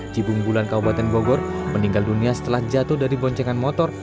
cibung bulan kabupaten bogor meninggal dunia setelah jatuh dari boncengan motor